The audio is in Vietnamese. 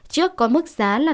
trước có mức giá là